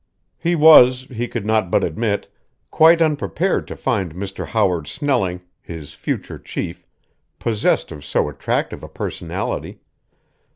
He was, he could not but admit, quite unprepared to find Mr. Howard Snelling, his future chief, possessed of so attractive a personality.